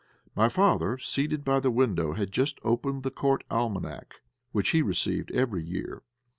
My father, seated by the window, had just opened the Court Almanack, which he received every year.